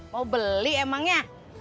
mau beli emangnya